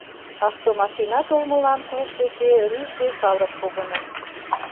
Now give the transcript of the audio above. Автомашина толмылан клуб деке рӱжге калык погыныш.